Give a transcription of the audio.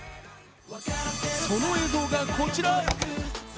その映像がこちら。